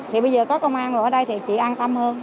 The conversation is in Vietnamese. thì bây giờ có công an rồi ở đây thì chị an tâm hơn